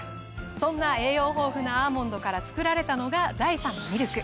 そんな栄養豊富なアーモンドから作られたのが。